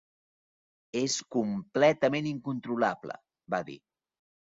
"És completament incontrolable" va dir.